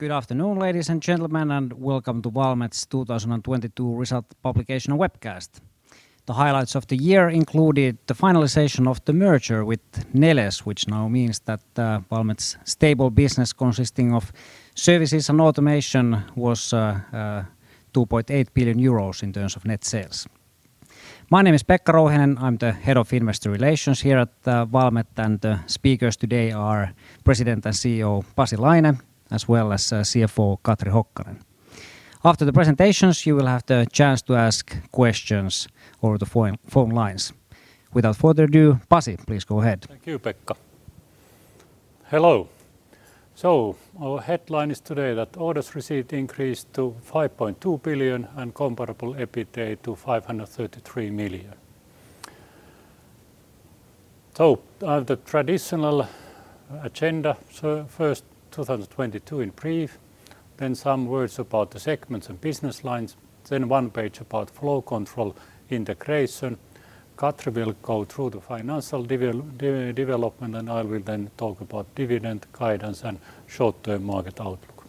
Good afternoon, ladies and gentlemen, and welcome to Valmet's 2022 Result Publication Webcast. The highlights of the year included the finalization of the merger with Neles, which now means that Valmet's stable business consisting of Services and Automation was 2.8 billion euros in terms of net sales. My name is Pekka Rouhiainen, I'm the Head of Investor Relations here at Valmet, and the speakers today are President and CEO Pasi Laine, as well as CFO Katri Hokkanen. After the presentations, you will have the chance to ask questions over the phone lines. Without further ado, Pasi, please go ahead. Thank you, Pekka. Hello. Our headline is today that orders received increased to 5.2 billion and Comparable EBITA to 533 million. I have the traditional agenda. First, 2022 in brief, then some words about the segments and business lines, then one page about Flow Control integration. Katri will go through the financial development, and I will then talk about dividend guidance and short-term market outlook.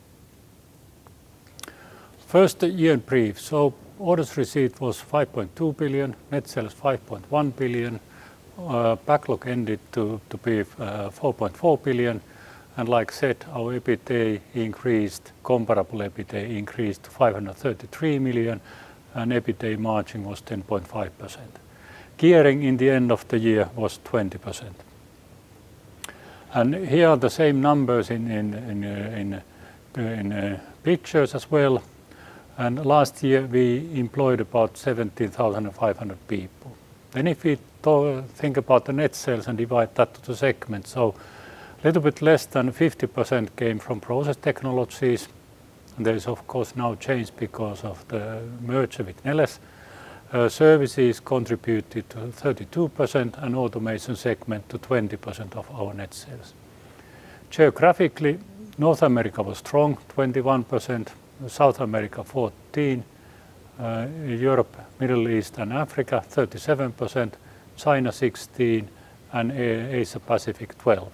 First, the year in brief. Orders received was 5.2 billion, net sales 5.1 billion, backlog ended to be 4.4 billion, and like I said, our Comparable EBITA increased to 533 million, and EBITA margin was 10.5%. Gearing in the end of the year was 20%. Here are the same numbers in pictures as well. Last year we employed about 17,500 people. If we think about the net sales and divide that to segments. Little bit less than 50% came from Process Technologies. There is of course now change because of the merger with Neles. Services contributed to 32% and Automation segment to 20% of our net sales. Geographically, North America was strong, 21%, South America 14%, Europe, Middle East and Africa 37%, China 16%, and Asia Pacific 12%.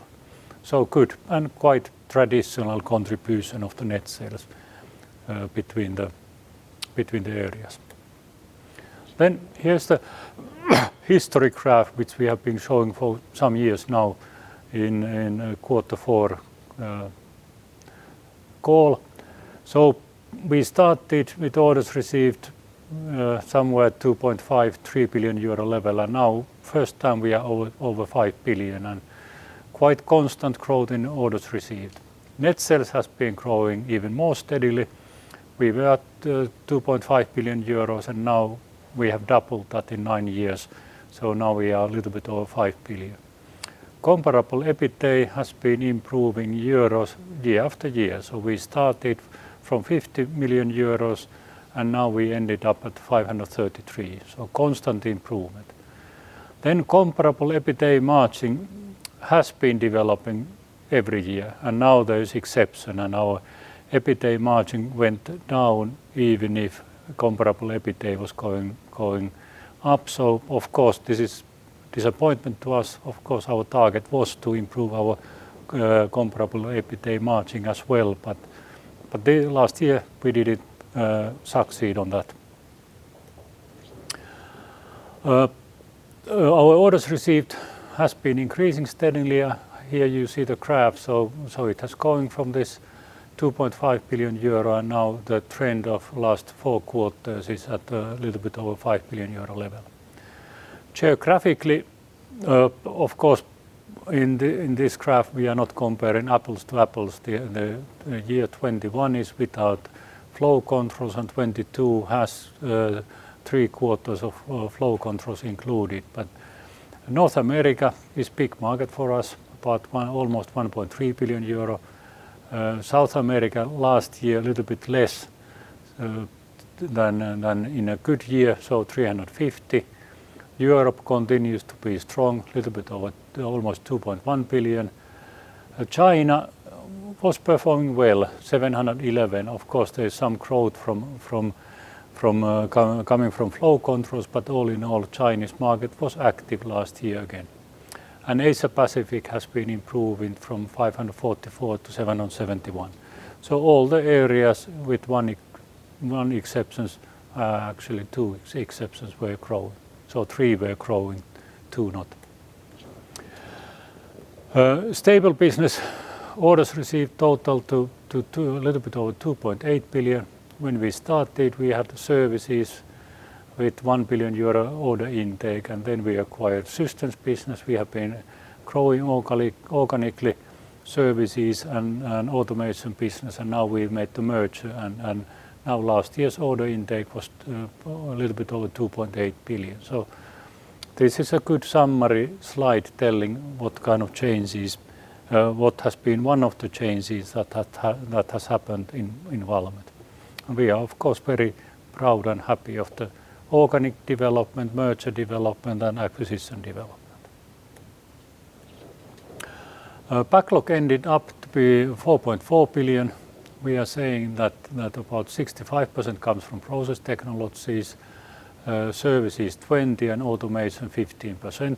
Good and quite traditional contribution of the net sales between the areas. Here's the history graph, which we have been showing for some years now in Q4 call. We started with orders received, somewhere EUR 2.5 ,3 North America is big market for us, almost 1.3 billion euro. South America last year a little bit less than in a good year, so 350. Europe continues to be strong, almost 2.1 billion. China was performing well, 711. Of course, there is some growth coming from Flow Control, but all in all, Chinese market was active last year again. Asia Pacific has been improving from 544 to 771. All the areas with one ex-one exceptions, actually two exceptions, were growing. Three were growing, two not. Stable business orders received total a little bit over 2.8 billion. When we started, we had Services with 1 billion euro order intake, we acquired systems business. We have been growing organically Services and automation business, we've made the merger. Last year's order intake was a little bit over 2.8 billion. This is a good summary slide telling what kind of changes, what has been one of the changes that has happened in Valmet. We are of course very proud and happy of the organic development, merger development, and acquisition development. Backlog ended up to be 4.4 billion. We are saying that about 65% comes from Process Technologies, Services 20%, and Automation 15%.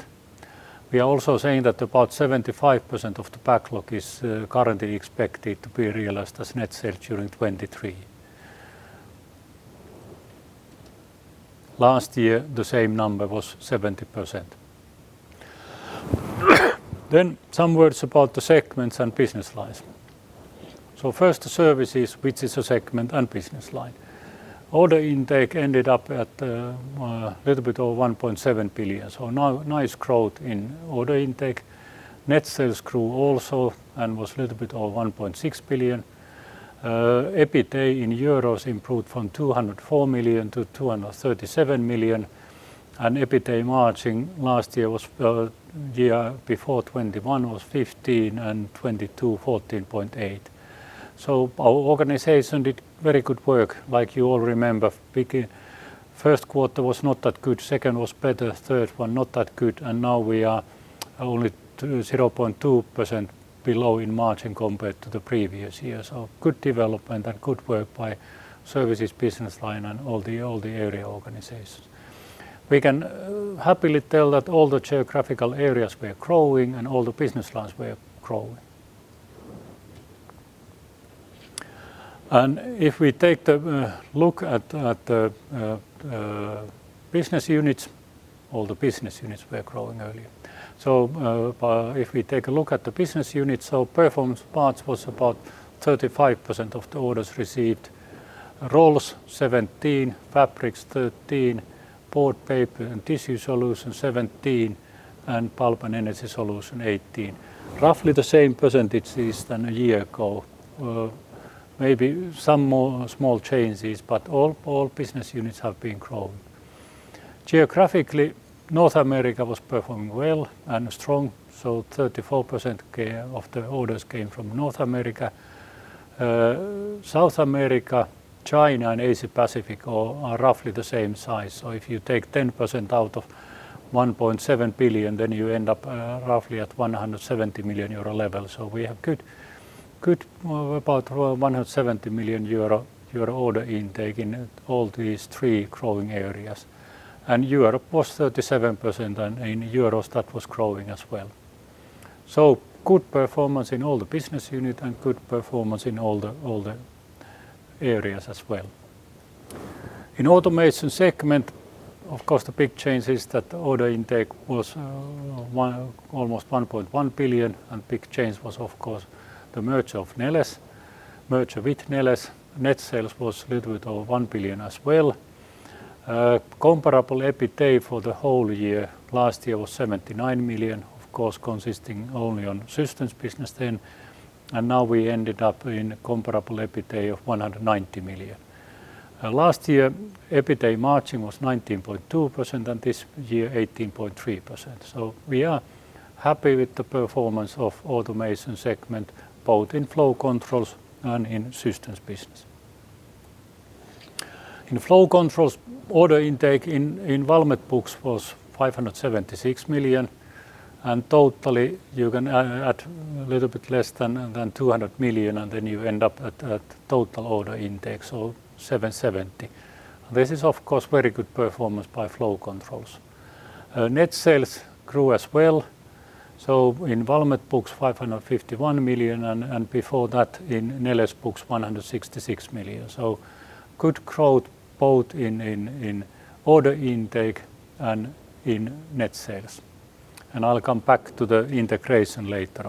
We are also saying that about 75% of the backlog is currently expected to be realized as net sales during 2023. Last year, the same number was 70%. Some words about the segments and business lines. First, Services, which is a segment and business line. Order intake ended up at a little bit over 1.7 billion. Nice growth in order intake. Net sales grew also and was a little bit over 1.6 billion. EBITDA in euros improved from 204 to 237 million, and EBITDA margin last year was year before 2021 was 15%, and 2022, 14.8%. Our organization did very good work, like you all remember. Q1 was not that good, second was better, third one not that good, and now we are only 0.2% below in margin compared to the previous year. Good development and good work by Services business line and all the area organizations. We can happily tell that all the geographical areas were growing and all the business lines were growing. If we take the look at the business units, all the business units were growing earlier. If we take a look at the business units, Performance Parts was about 35% of the orders received. Rolls, 17%, Fabrics, 13%, Board, Paper and Tissue Solution, 17%, and Pulp and Energy Solution, 18%. Roughly the same percentages than a year ago. Maybe some more small changes, but all business units have been grown. Geographically, North America was performing well and strong, so 34% of the orders came from North America. South America, China, and Asia Pacific are roughly the same size. If you take 10% out of EUR 1.7 billion, then you end up roughly at 170 million euro level. We have about 170 million euro order intake in all these three growing areas. Europe was 37%, and in euros that was growing as well. Good performance in all the business unit and good performance in all the areas as well. In Automation segment, of course, the big change is that order intake was almost 1.1 billion, and big change was, of course, the merger of Neles, merger with Neles. Net sales was a little bit over 1 billion as well. Comparable EBITDA for the whole year, last year was 79 million, of course, consisting only on Systems business then. Now we ended up in Comparable EBITDA of 190 million. Last year, EBITDA margin was 19.2%, and this year, 18.3%. We are happy with the performance of Automation segment, both in Flow Control and in Systems business. In Flow Controls, order intake in Valmet books was EUR 576 million, totally you can add a little bit less than 200 million, you end up at total order intake, 770. This is of course very good performance by Flow Controls. Net sales grew as well, in Valmet books, 551 million, and before that in Neles books, 166 million. Good growth both in order intake and in net sales. I'll come back to the integration later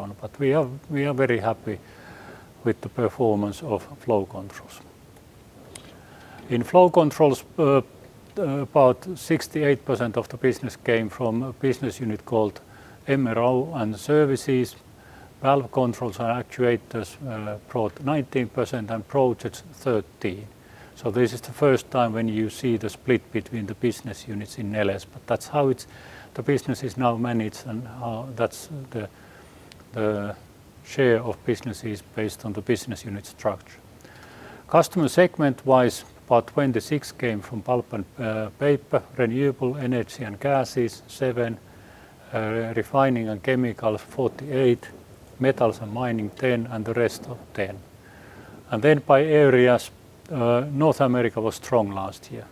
on. We are very happy with the performance of Flow Controls. In Flow Controls, about 68% of the business came from a business unit called MRO and Services. Valve Controls and Actuators brought 19%, Projects 13%. This is the first time when you see the split between the business units in Neles, but that's how it's the business is now managed and that's the share of businesses based on the business unit structure. Customer segment-wise, about 26 came from pulp and paper, renewable energy and gases, seven, refining and chemical, 48, metals and mining, 10, and the rest of 10. By areas, North America was strong last year,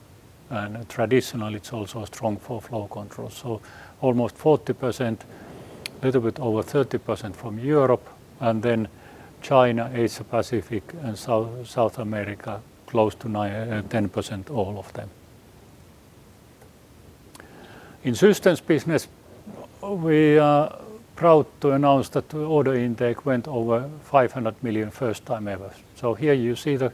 and traditionally, it's also strong for Flow Control. Almost 40%, little bit over 30% from Europe, China, Asia-Pacific and South America, close to 10% all of them. In Systems business, we are proud to announce that order intake went over 500 million first time ever. Here you see the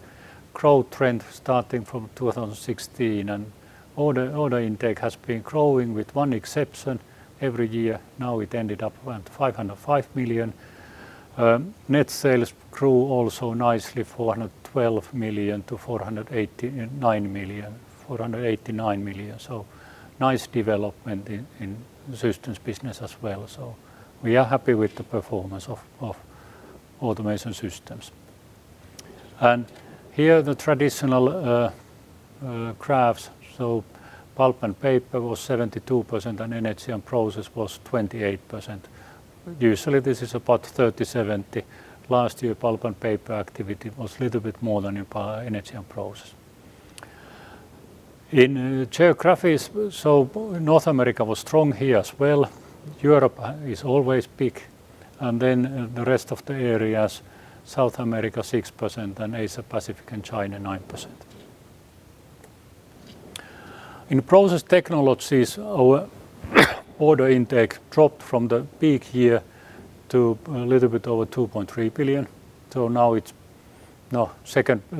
growth trend starting from 2016, and order intake has been growing with one exception every year. Now it ended up around 505 million. Net sales grew also nicely, 412 to 489 million. Nice development in Systems business as well. We are happy with the performance of Automation Systems. Here are the traditional graphs. Pulp and paper was 72%, and energy and process was 28%. Usually, this is about 30%-70%. Last year, pulp and paper activity was a little bit more than energy and process. In geographies, North America was strong here as well. Europe is always big. The rest of the areas, South America 6% and Asia-Pacific and China 9%. In Process Technologies, our order intake dropped from the peak year to a little bit over 2.3 billion. Now it's a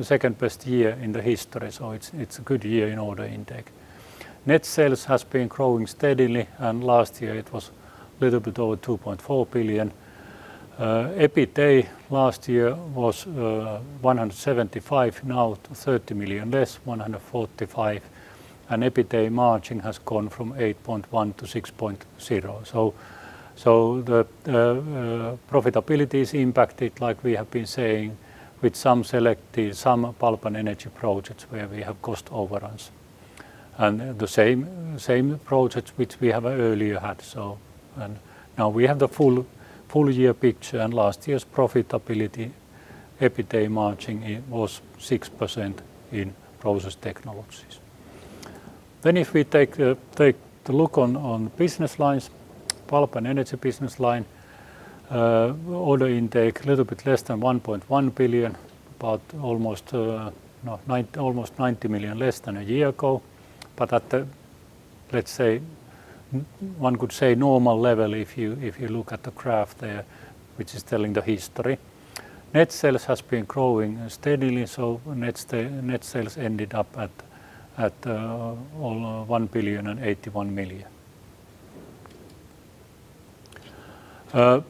second-best year in the history. It's a good year in order intake. Net sales has been growing steadily, last year it was a little bit over 2.4 billion. EBITA, last year was 175 million, now 30 million less, 145 million. EBITA margin has gone from 8.1% to 6.0%. The profitability is impacted, like we have been saying, with some selective pulp and energy projects where we have cost overruns. The same projects which we have earlier had. Now we have the full year picture, and last year's profitability, EBITA margin, it was 6% in Process Technologies. If we take a look on business lines, Pulp and Energy business line, order intake a little bit less than 1.1 billion, about almost, you know, 90 million less than a year ago. At a, let's say, one could say normal level if you look at the graph there, which is telling the history. Net sales has been growing steadily, so net sales ended up at 1.081 billion.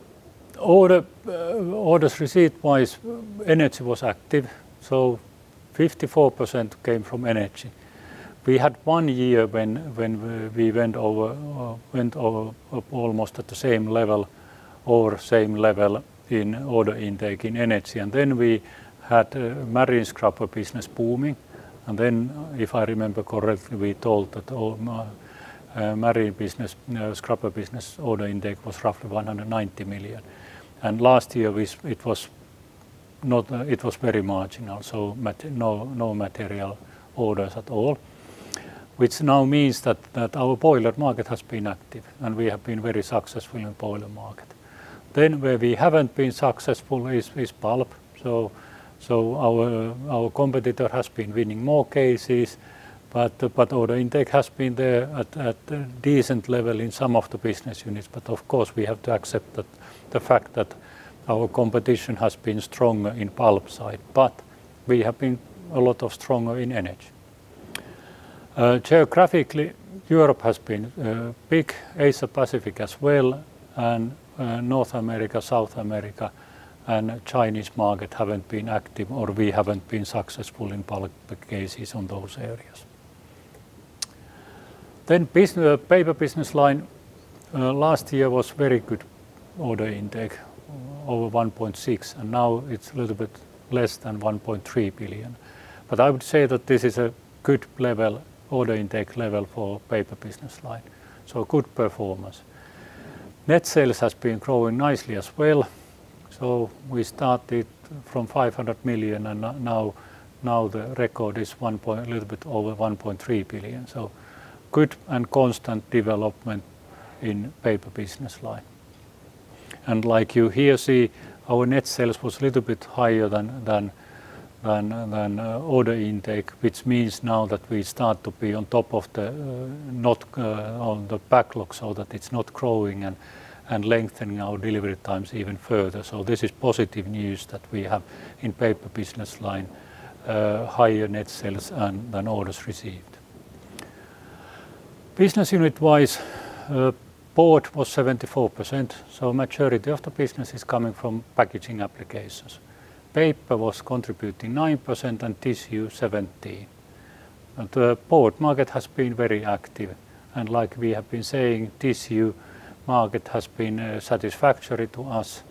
Orders received-wise, energy was active, so 54% came from energy. We had one year when we went over almost at the same level or same level in order intake in energy. We had marine scrubber business booming. If I remember correctly, we told that our marine business scrubber business order intake was roughly 190 million. Last year, it was very marginal, so no material orders at all. Which now means that our boiler market has been active, and we have been very successful in boiler market. Where we haven't been successful is pulp. Our competitor has been winning more cases, but order intake has been there at a decent level in some of the business units. We have to accept that the fact that our competition has been stronger in pulp side. We have been a lot stronger in energy. Geographically, Europe has been big. Asia-Pacific as well, and North America, South America and Chinese market haven't been active, or we haven't been successful in pulp cases on those areas. Paper business line, last year was very good order intake, over 1.6, and now it's a little bit less than 1.3 billion. I would say that this is a good level, order intake level for paper business line, good performance. Net sales has been growing nicely as well, we started from 500 million and now the record is a little bit over 1.3 billion. Good and constant development in paper business line. Like you here see, our net sales was a little bit higher than order intake, which means now that we start to be on top of the backlog so that it's not growing and lengthening our delivery times even further. This is positive news that we have in paper business line, higher net sales than orders received. Business unit-wise, board was 74%, so majority of the business is coming from packaging applications. Paper was contributing 9% and Tissue 17%. The board market has been very active. Like we have been saying, tissue market has been satisfactory to us,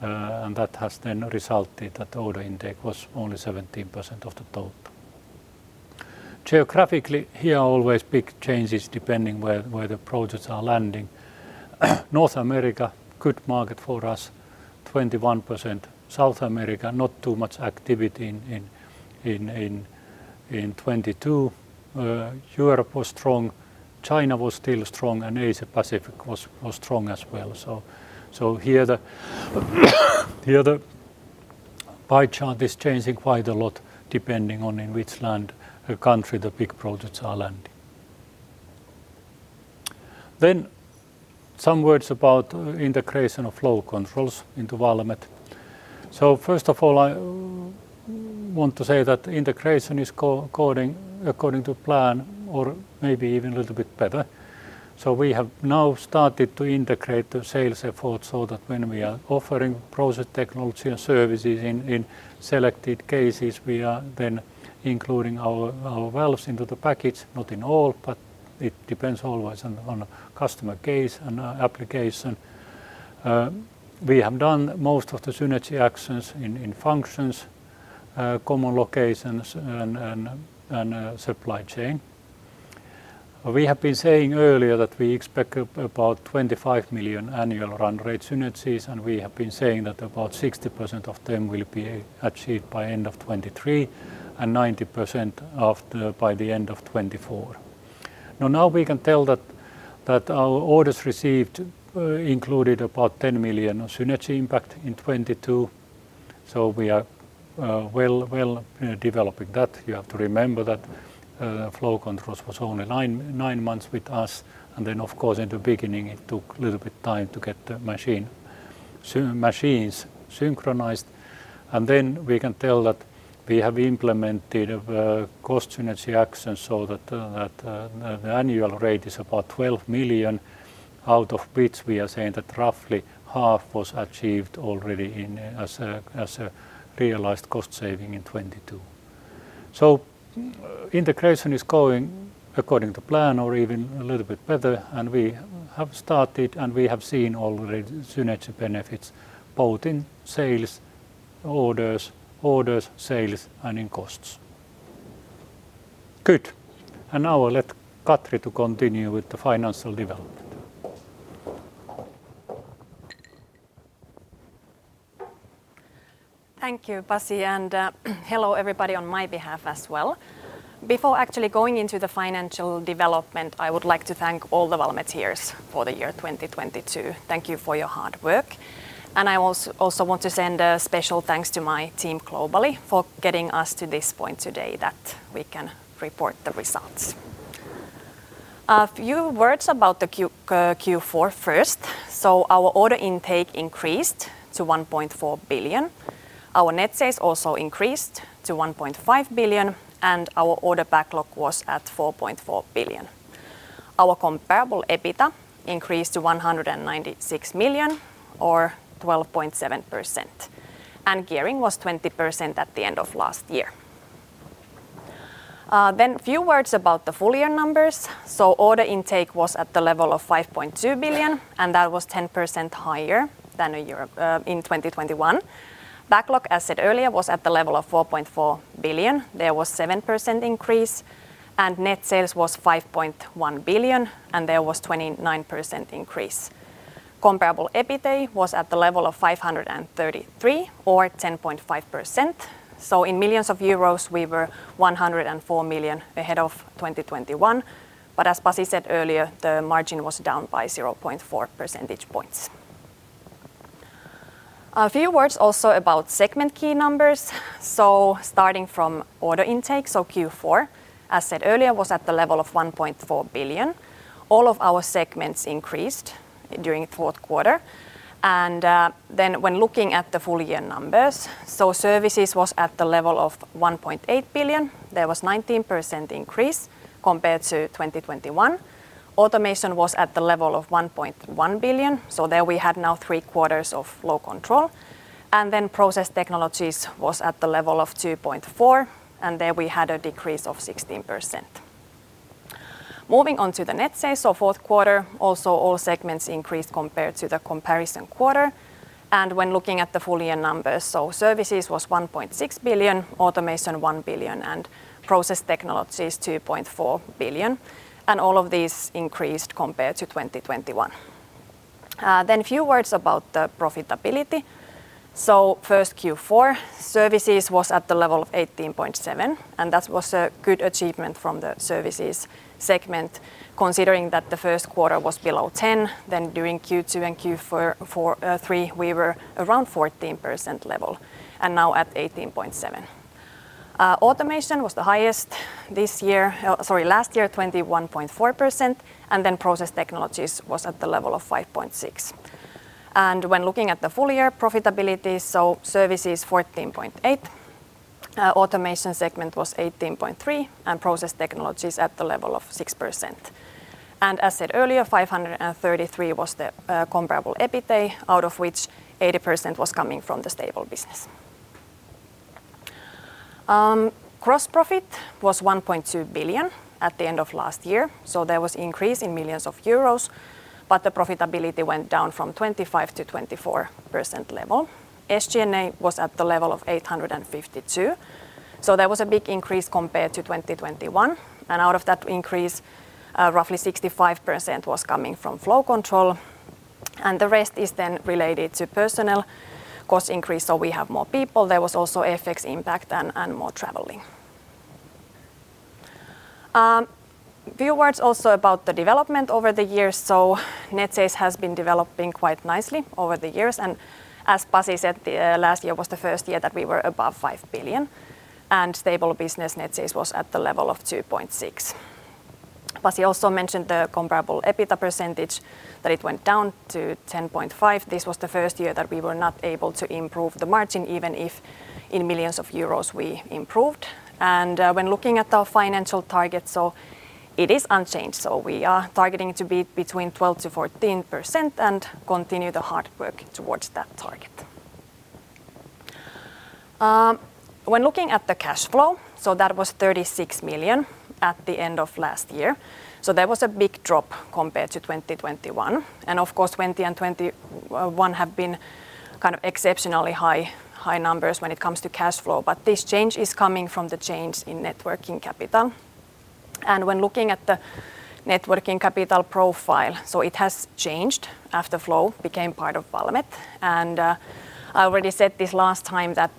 and that has then resulted that order intake was only 17% of the total. Geographically, here always big changes depending where the projects are landing. North America, good market for us, 21%. South America, not too much activity in 2022. Europe was strong. China was still strong, and Asia-Pacific was strong as well. Here the pie chart is changing quite a lot depending on in which land or country the big projects are landing. Some words about integration of Flow Control into Valmet. First of all, I want to say that integration is according to plan or maybe even a little bit better. We have now started to integrate the sales effort so that when we are offering Process Technologies and Services in selected cases, we are then including our valves into the package. Not in all, but it depends always on customer case and application. We have done most of the synergy actions in functions, common locations and supply chain. We have been saying earlier that we expect about 25 million annual run rate synergies, and we have been saying that about 60% of them will be achieved by end of 2023 and 90% by the end of 2024. Now we can tell that our orders received included about 10 million synergy impact in 2022, so we are well developing that. You have to remember that Flow Control was only nine months with us, and then of course, in the beginning, it took a little bit time to get the machines synchronized. Then we can tell that we have implemented a cost synergy action so that the annual rate is about 12 million, out of which we are saying that roughly half was achieved already in as a realized cost saving in 2022. Integration is going according to plan or even a little bit better, and we have started, and we have seen already synergy benefits both in sales orders, sales, and in costs. Good. Now I'll let Katri to continue with the financial development. Thank you, Pasi, hello everybody on my behalf as well. Before actually going into the financial development, I would like to thank all the Valmeteers for the year 2022. Thank you for your hard work. I also want to send a special thanks to my team globally for getting us to this point today that we can report the results. A few words about Q4 first. Our order intake increased to 1.4 billion. Our net sales also increased to 1.5 billion, and our order backlog was at 4.4 billion. Our Comparable EBITDA increased to 196 million or 12.7%, and gearing was 20% at the end of last year. Few words about the full year numbers. Order intake was at the level of 5.2 billion, that was 10% higher than a year ago in 2021. Backlog, as said earlier, was at the level of 4.4 billion. There was 7% increase. Net sales was 5.1 billion. There was 29% increase. Comparable EBITA was at the level of 533 million or 10.5%. In millions of euros, we were 104 million ahead of 2021. As Pasi said earlier, the margin was down by 0.4 percentage points. A few words also about segment key numbers. Starting from order intake, Q4, as said earlier, was at the level of 1.4 billion. All of our segments increased during Q4. Then when looking at the full year numbers, Services was at the level of 1.8 billion. There was 19% increase compared to 2021. Automation was at the level of 1.1 billion, there we had now three-quarters of Flow Control. Then Process Technologies was at the level of 2.4 billion, and there we had a decrease of 16%. Moving on to the net sales for fourth quarter, also all segments increased compared to the comparison quarter. When looking at the full year numbers, Services was 1.6 billion, Automation 1 billion, and Process Technologies 2.4 billion. All of these increased compared to 2021. Then a few words about the profitability. First Q4, Services was at the level of 18.7. That was a good achievement from the Services segment, considering that Q1 was below 10. During Q2 and Q3, we were around 14% level, now at 18.7. Automation was the highest this year. Sorry, last year, 21.4%. Process Technologies was at the level of 5.6. When looking at the full year profitability, Services 14.8, Automation segment was 18.3, Process Technologies at the level of 6%. As said earlier, 533 miliion was the Comparable EBITA, out of which 80% was coming from the stable business. Gross profit was 1.2 billion at the end of last year, there was increase in millions of euros, but the profitability went down from 25%-24% level. SG&A was at the level of 852, there was a big increase compared to 2021. Out of that increase, roughly 65% was coming from Flow Control, and the rest is then related to personnel cost increase, we have more people. There was also FX impact and more traveling. Few words also about the development over the years. Net sales has been developing quite nicely over the years. As Pasi said, the last year was the first year that we were above 5 billion, and stable business net sales was at the level of 2.6 billion. Pasi also mentioned the Comparable EBITDA percentage, that it went down to 10.5%. This was the first year that we were not able to improve the margin, even if in millions of euros we improved. When looking at our financial targets, it is unchanged. We are targeting to be between 12%-14% and continue the hard work towards that target. When looking at the cash flow, that was 36 million at the end of last year. There was a big drop compared to 2021. Of course, 2020 and 2021 have been kind of exceptionally high numbers when it comes to cash flow. This change is coming from the change in Net Working Capital. When looking at the Net Working Capital profile, it has changed after Flow became part of Valmet. I already said this last time that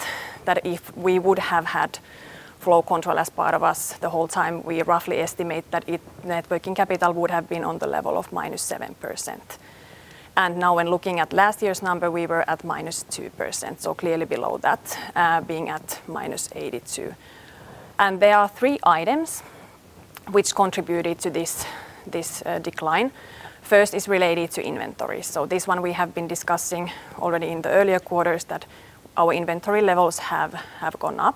if we would have had Flow Control as part of us the whole time, we roughly estimate that Net Working Capital would have been on the level of -7%. Now when looking at last year's number, we were at -2%, so clearly below that, being at -82%. There are three items which contributed to this decline. First is related to inventory. This one we have been discussing already in the earlier quarters that our inventory levels have gone up.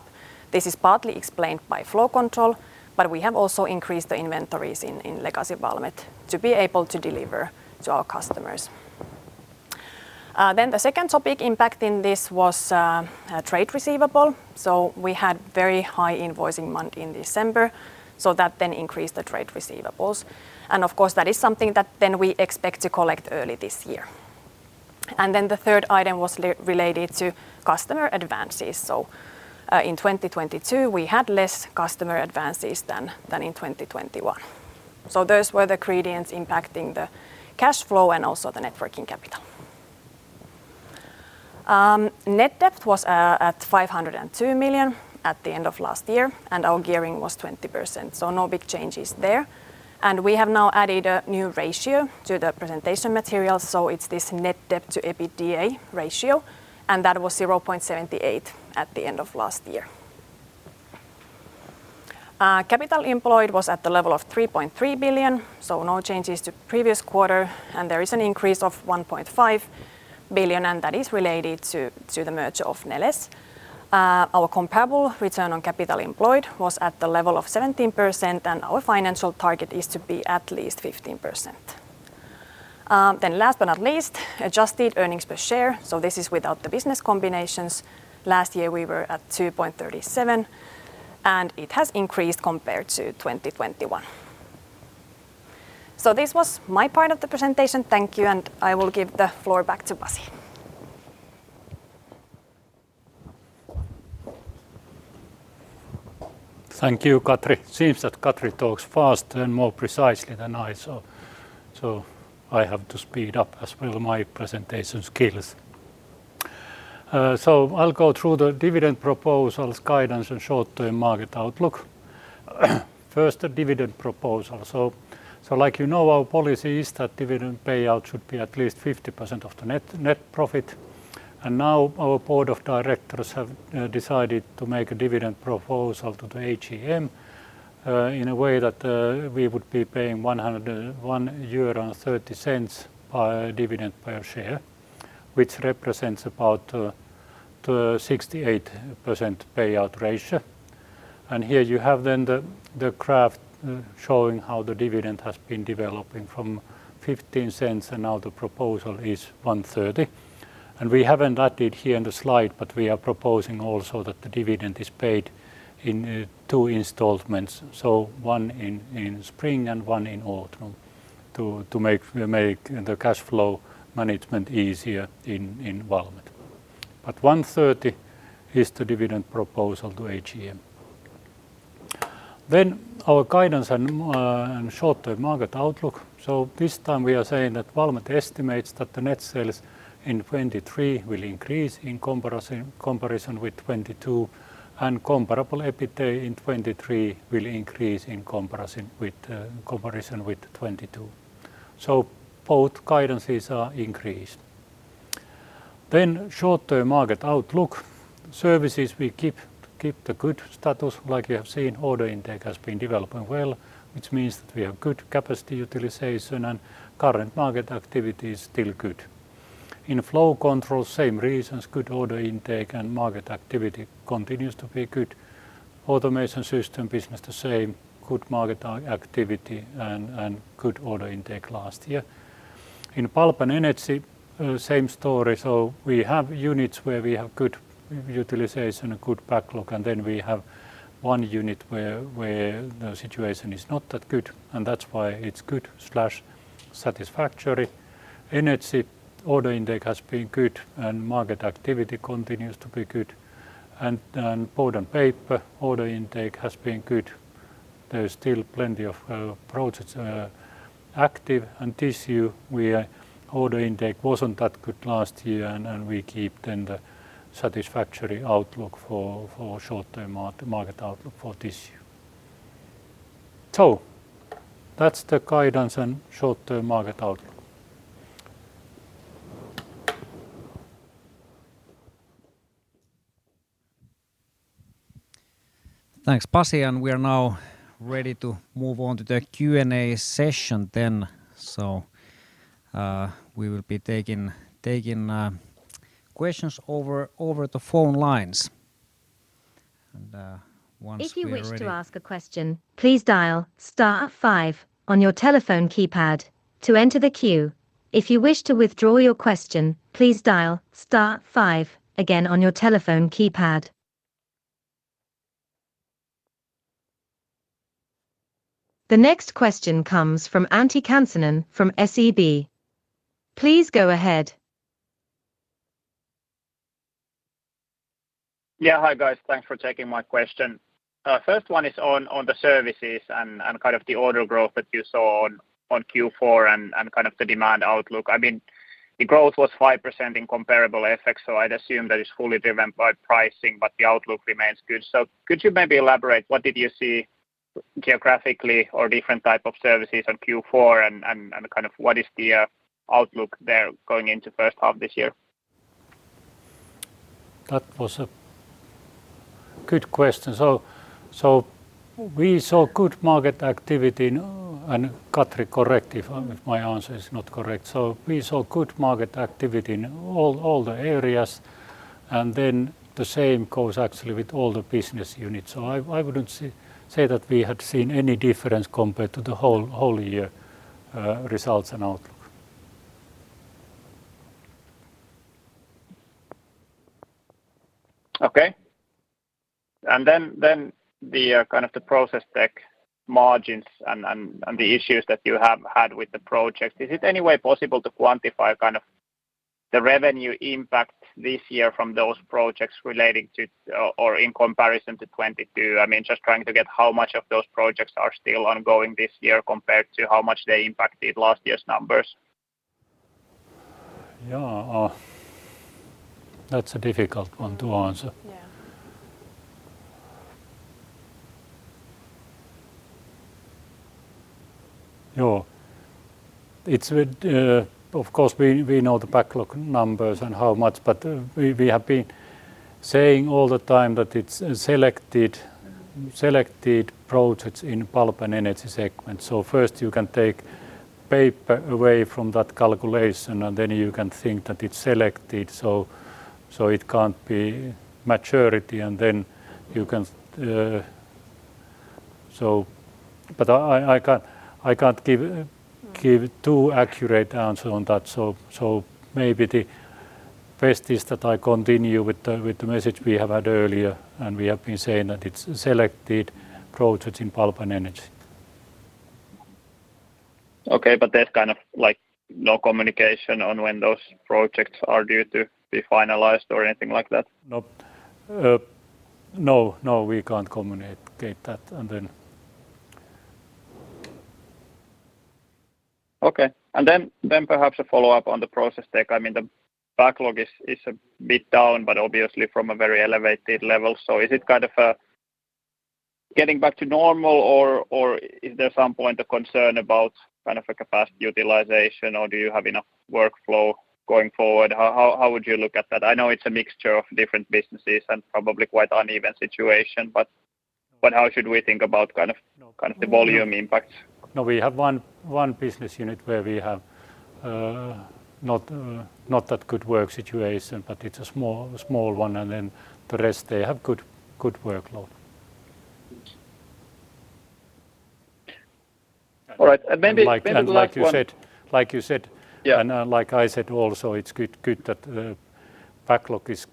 This is partly explained by Flow Control, but we have also increased the inventories in legacy Valmet to be able to deliver to our customers. The second topic impacting this was trade receivable. We had very high invoicing month in December, that then increased the trade receivables. Of course, that is something that then we expect to collect early this year. The third item was related to customer advances. In 2022, we had less customer advances than in 2021. Those were the credence impacting the cash flow and also the Net Working Capital. Net Debt was at 502 million at the end of last year, and our Gearing was 20%, so no big changes there. We have now added a new ratio to the presentation material, it's this Net Debt to EBITDA ratio, and that was 0.78 at the end of last year. Capital employed was at the level of 3.3 billion, no changes to previous quarter. There is an increase of 1.5 billion, and that is related to the merger of Neles. Our Comparable Return on Capital Employed was at the level of 17%. Our financial target is to be at least 15%. Last but not least, Adjusted Earnings Per Share. This is without the business combinations. Last year we were at 2.37. It has increased compared to 2021. This was my part of the presentation. Thank you. I will give the floor back to Pasi. Thank you, Katri. Seems that Katri talks faster and more precisely than I, so I have to speed up as well my presentation skills. I'll go through the dividend proposals, guidance, and short-term market outlook. First, the dividend proposal. Like you know, our policy is that dividend payout should be at least 50% of the net profit. Now our board of directors have decided to make a dividend proposal to the AGM in a way that we would be paying 1.30 euro per dividend per share, which represents about the 68% payout ratio. Here you have then the graph showing how the dividend has been developing from 0.15, and now the proposal is 1.30. We haven't added here in the slide, but we are proposing also that the dividend is paid in two installments, so one in spring and one in autumn to make the cash flow management easier in Valmet. 1.30 is the dividend proposal to AGM. Our guidance and short-term market outlook. This time we are saying that Valmet estimates that the net sales in 2023 will increase in comparison with 2022, and Comparable EBITDA in 2023 will increase in comparison with 2022. Both guidance are increased. Short-term market outlook. Services, we keep the good status. Like you have seen, order intake has been developing well, which means that we have good capacity utilization and current market activity is still good. In Flow Control, same reasons, good order intake and market activity continues to be good. Automation Systems business the same, good market activity and good order intake last year. In Pulp and Energy, same story. We have units where we have good utilization, a good backlog, and then we have one unit where the situation is not that good, and that's why it's good slash satisfactory. Energy order intake has been good, and market activity continues to be good. Packaging and Paper order intake has been good. There's still plenty of projects active. Tissue, order intake wasn't that good last year and we keep then the satisfactory outlook for short-term market outlook for Tissue. That's the guidance and short-term market outlook. Thanks, Pasi. We are now ready to move on to the Q&A session then. We will be taking questions over the phone lines. Once we are ready. If you wish to ask a question, please dial star five on your telephone keypad to enter the queue. If you wish to withdraw your question, please dial star five again on your telephone keypad. The next question comes from Antti Kansanen from SEB. Please go ahead. Yeah. Hi, guys. Thanks for taking my question. First one is on the services and kind of the order growth that you saw on Q4 and kind of the demand outlook. I mean, the growth was 5% in comparable FX, so I'd assume that it's fully driven by pricing, but the outlook remains good. Could you maybe elaborate what did you see geographically or different type of services in Q4 and kind of what is the outlook there going into first half this year? That was a good question. We saw good market activity in... Katri correct if my answer is not correct. We saw good market activity in all the areas, the same goes actually with all the business units. I wouldn't say that we had seen any difference compared to the whole year results and outlook. Okay. Then the kind of the Process Tech margins and the issues that you have had with the project, is it any way possible to quantify kind of the revenue impact this year from those projects relating to or in comparison to 2022? I mean, just trying to get how much of those projects are still ongoing this year compared to how much they impacted last year's numbers. Yeah. That's a difficult one to answer. Yeah. You know, it's with. Of course, we know the backlog numbers and how much, but, we have been saying all the time that it's selected projects in Pulp and Energy segment. First you can take paper away from that calculation, and then you can think that it's selected, so it can't be maturity, and then you can. But I can't give too accurate answer on that. Maybe the best is that I continue with the message we have had earlier, and we have been saying that it's selected projects in Pulp and Energy. Okay. There's kind of like no communication on when those projects are due to be finalized or anything like that? No. No. No, we can't communicate that. Okay. Then perhaps a follow-up on the Process Tech. I mean, the backlog is a bit down, but obviously from a very elevated level. Is it kind of getting back to normal or is there some point of concern about kind of a capacity utilization, or do you have enough workflow going forward? How would you look at that? I know it's a mixture of different businesses and probably quite uneven situation, but how should we think about kind of... No... kind of the volume impacts? No. We have one business unit where we have not that good work situation, but it's a small one, and then the rest they have good workload. All right. And maybe- And like- Maybe the last one. Like you said. Yeah like I said also, it's good that the backlog is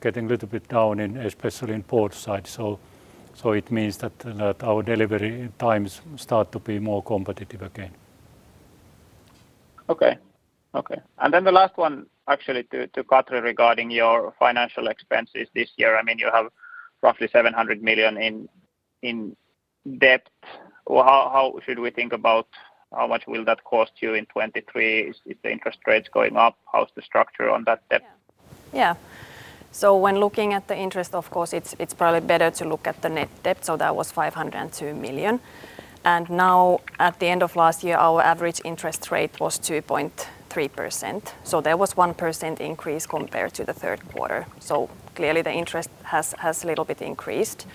getting a little bit down especially in port side. It means that our delivery times start to be more competitive again. Okay. Okay. Then the last one actually to Katri regarding your financial expenses this year. I mean, you have roughly EUR 700 million in debt. Well, how should we think about how much will that cost you in 2023 if the interest rate's going up? How's the structure on that debt? When looking at the interest, of course, it's probably better to look at the net debt, that was 502 million. Now at the end of last year, our average interest rate was 2.3%, there was 1% increase compared to Q3. Clearly the interest has a little bit increased.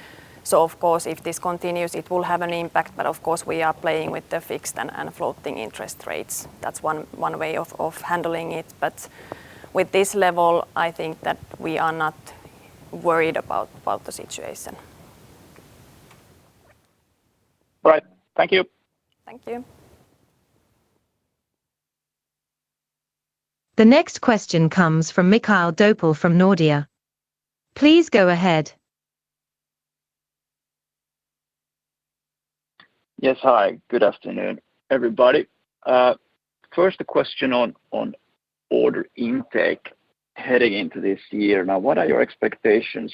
Of course, if this continues, it will have an impact, but of course we are playing with the fixed and floating interest rates. That's one way of handling it. With this level, I think that we are not worried about the situation. All right. Thank you. Thank you. The next question comes from Mikael Doepel from Nordea. Please go ahead. Yes. Hi. Good afternoon, everybody. First a question on order intake heading into this year. Now, what are your expectations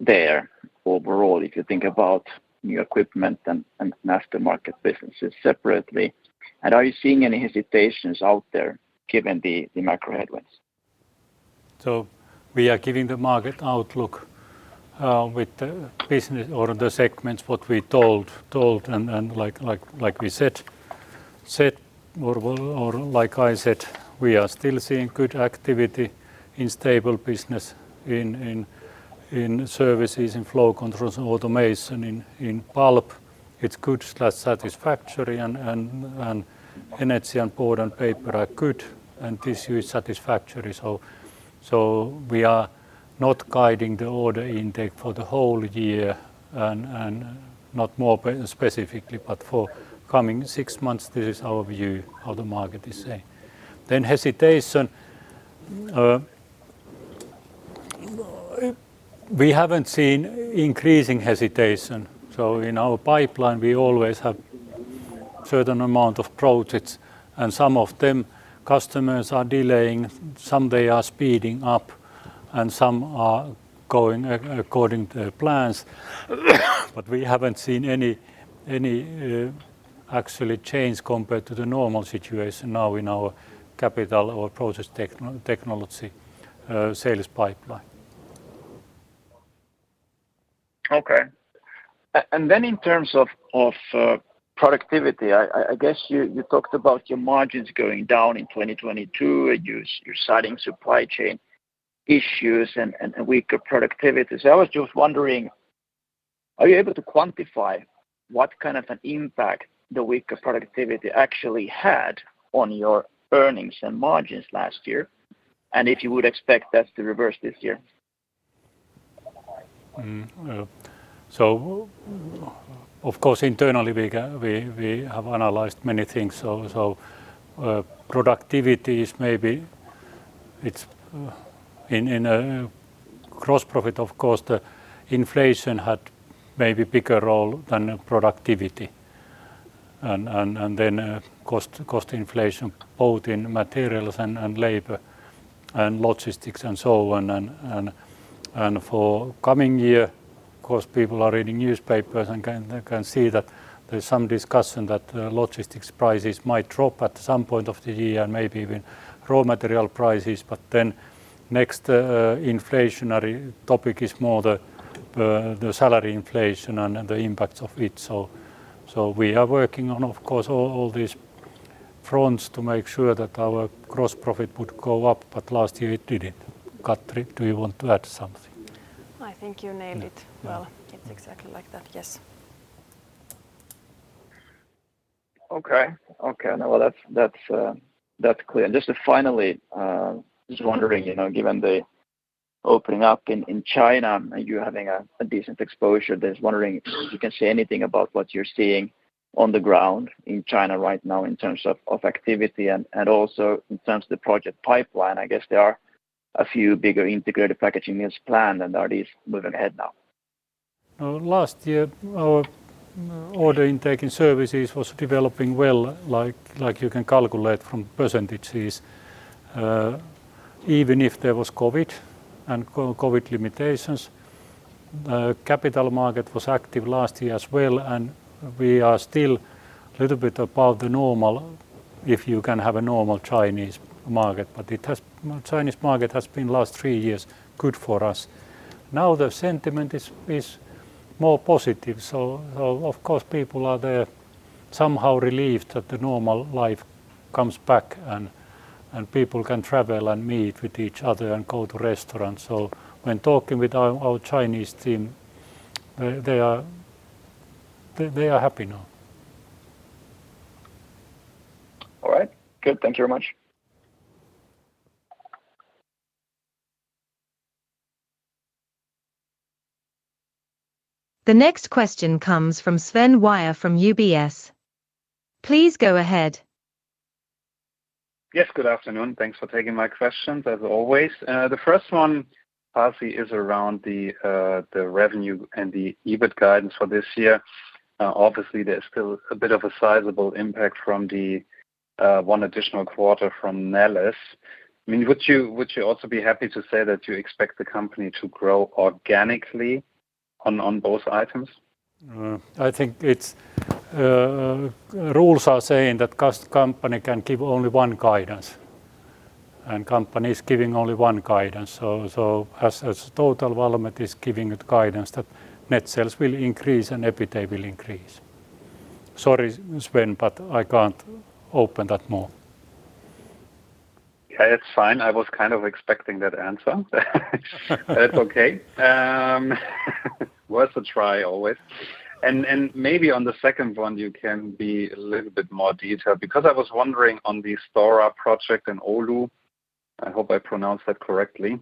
there overall if you think about new equipment and aftermarket businesses separately? Are you seeing any hesitations out there given the macro headwinds? We are giving the market outlook with the business or the segments what we told and like we said or like I said, we are still seeing good activity in stable business, in Services, in Flow Control and Automation. In Pulp it's good / satisfactory and Energy and Packaging and Paper are good, and Tissue is satisfactory. We are not guiding the order intake for the whole year and not more specifically, but for coming six months, this is our view how the market is saying. Hesitation, we haven't seen increasing hesitation. In our pipeline, we always have Certain amount of projects and some of them customers are delaying, some they are speeding up, and some are going according to their plans. We haven't seen any, actually change compared to the normal situation now in our capital or Process Technologies, sales pipeline. Okay. In terms of productivity, I guess you talked about your margins going down in 2022. You're citing supply chain issues and weaker productivity. I was just wondering, are you able to quantify what kind of an impact the weaker productivity actually had on your earnings and margins last year, and if you would expect that to reverse this year? Of course, internally we have analyzed many things. Productivity is maybe it's. In gross profit, of course, the inflation had maybe bigger role than productivity and then cost inflation both in materials and labor and logistics and so on. For coming year, of course, people are reading newspapers and they can see that there's some discussion that logistics prices might drop at some point of the year and maybe even raw material prices. Next inflationary topic is more the salary inflation and the impacts of it. We are working on, of course, all these fronts to make sure that our gross profit would go up, but last year it didn't. Katri, do you want to add something? I think you nailed it. Yeah. Yeah. well. It's exactly like that. Yes. Okay. Okay. No, well, that's clear. Just finally, just wondering, you know, given the opening up in China, are you having a decent exposure? Just wondering if you can say anything about what you're seeing on the ground in China right now in terms of activity and also in terms of the project pipeline. I guess there are a few bigger integrated packaging units planned, and are these moving ahead now? Last year our order intake in services was developing well, like you can calculate from percentages. Even if there was COVID and COVID limitations, capital market was active last year as well. We are still a little bit above the normal, if you can have a normal Chinese market. Chinese market has been last three years good for us. Now the sentiment is more positive. Of course people are there somehow relieved that the normal life comes back and people can travel and meet with each other and go to restaurants. When talking with our Chinese team, they are happy now. All right. Good. Thank you very much. The next question comes from Sven Weier from UBS. Please go ahead. Good afternoon. Thanks for taking my questions as always. The first one partly is around the revenue and the EBIT guidance for this year. There's still a bit of a sizable impact from the one additional quarter from Neles. I mean, would you also be happy to say that you expect the company to grow organically on both items? I think it's rules are saying that company can give only one guidance. Company is giving only one guidance. As total Valmet is giving it guidance that net sales will increase and EBITDA will increase. Sorry, Sven, but I can't open that more. Yeah, it's fine. I was kind of expecting that answer. That's okay. Worth a try always. Maybe on the second one, you can be a little bit more detailed because I was wondering on the Stora project in Oulu, I hope I pronounced that correctly,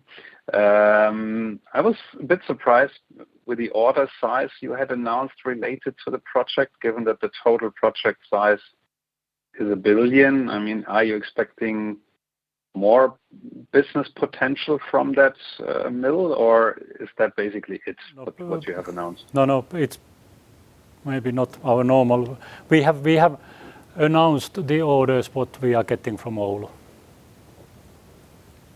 I was a bit surprised with the order size you had announced related to the project given that the total project size is 1 billion. I mean, are you expecting more business potential from that mill or is that basically it? No what you have announced? No, no, it's maybe not our normal. We have announced the orders, what we are getting from Oulu.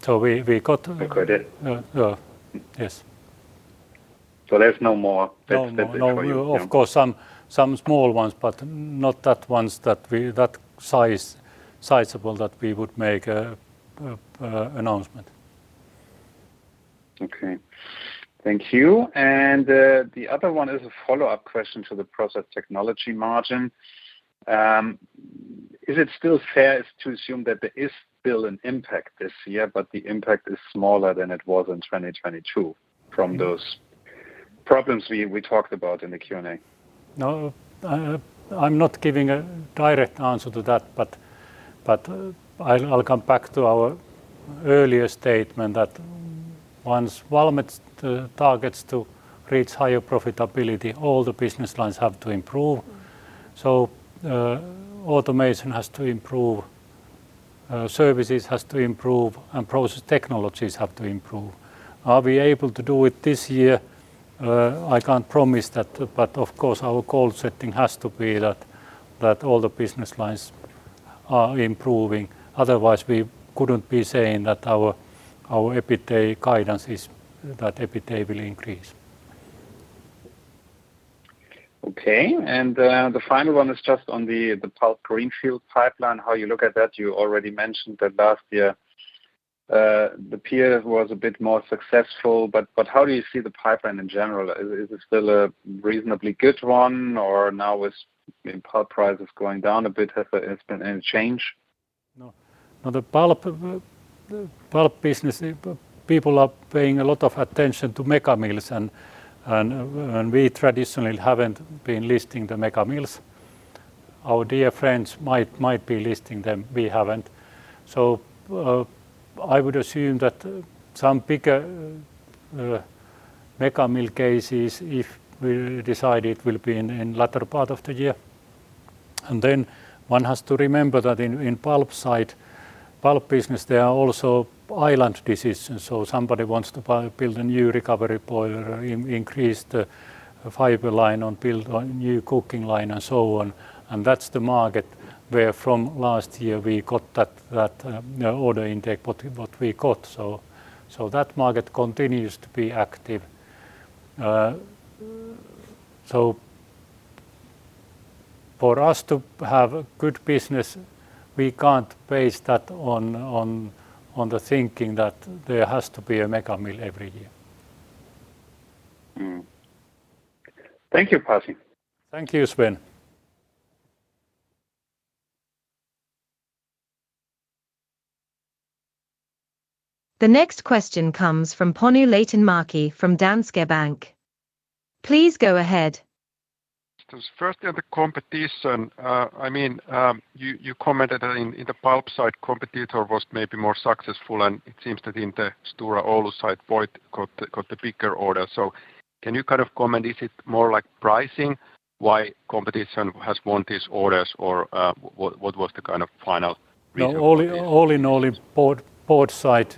We got. I got it. Yes. There's no more... No, no.... that we know. Of course, some small ones, but not that ones that we that size, sizable that we would make a announcement. Okay. Thank you. The other one is a follow-up question to the process technology margin. Is it still fair to assume that there is still an impact this year, but the impact is smaller than it was in 2022 from those problems we talked about in the Q&A? No, I'm not giving a direct answer to that, but I'll come back to our earlier statement that once Valmet's targets to reach higher profitability, all the business lines have to improve. Automation has to improve. Services has to improve and Process Technologies have to improve. Are we able to do it this year? I can't promise that, but of course our goal setting has to be that all the business lines are improving. Otherwise, we couldn't be saying that our EBITDA guidance is that EBITDA will increase. Okay. The final one is just on the pulp greenfield pipeline, how you look at that? You already mentioned that last year, the peer was a bit more successful, but how do you see the pipeline in general? Is it still a reasonably good one, or now with, I mean, pulp prices going down a bit, has there been any change? No. No, the pulp, the pulp business, people are paying a lot of attention to mega mills, and we traditionally haven't been listing the mega mills. Our dear friends might be listing them. We haven't. I would assume that some bigger, mega mill cases, if we decide it will be in latter part of the year. One has to remember that in pulp side, pulp business there are also island decisions. Somebody wants to build a new recovery boiler or increase the fiber line or build a new cooking line and so on, and that's the market where from last year we got that, order intake what we got. That market continues to be active. For us to have a good business, we can't base that on the thinking that there has to be a mega mill every year. Thank you, Pasi. Thank you, Sven. The next question comes from Panu Laitinmäki from Danske Bank. Please go ahead. First on the competition, I mean, you commented that in the pulp side competitor was maybe more successful and it seems that in the Stora Enso side Voith got the bigger order. Can you kind of comment, is it more like pricing why competition has won these orders or what was the kind of final reason for this? All in all in board side,